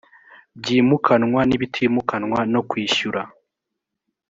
byimukanwa n ibitimukanwa no kwishyura